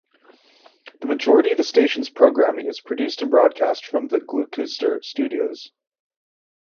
The majority of the station's programming is produced and broadcast from the Gloucester studios.